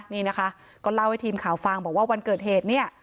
นี่นะคะก็เล่าให้ทีมข่าวฟังบอกว่าวันเกิดเหตุเนี่ย